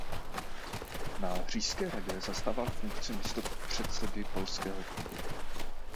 Na Říšské radě zastával funkci místopředsedy Polského klubu.